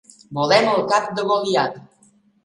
Volem el cap de Goliat.